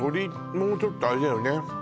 もうちょっとアレだよね